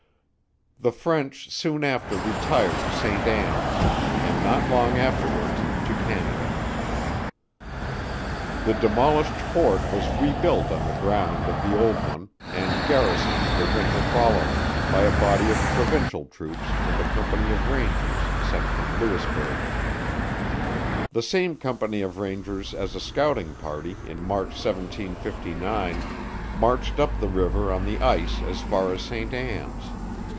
The French soon after retired to Saint Anns, and not long afterwards to Canada. The demolished fort was rebuilt on the ground of the old one, and garrisoned the winter following, by a body of provincial troops, and a company of Rangers, sent from Louisburgh. The same company of Rangers as a scouting party, in March 1759, marched up the river on the ice as far as Saint Anns.